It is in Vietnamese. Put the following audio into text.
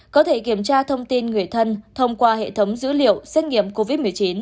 có thể kiểm tra thông tin người thân thông qua hệ thống dữ liệu xét nghiệm covid một mươi chín